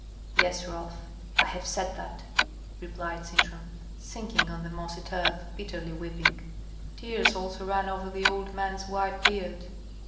"Yes, Rolf, I have said that," replied Sintram, sinking on the mossy turf, bitterly weeping. Tears also ran over the old man's white beard.